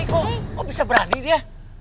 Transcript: kok bisa berani dia